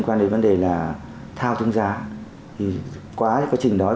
quy định về thị trường ngày càng được hoàn thiện hơn